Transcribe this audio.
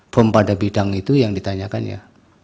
bom pada bidang itu yang ditanyakan ya